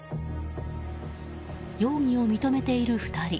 容疑を認めている２人。